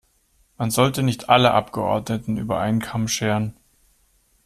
Man sollte nicht alle Abgeordneten über einen Kamm scheren.